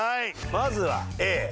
まずはＡ。